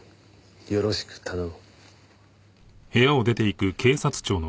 よろしく頼む。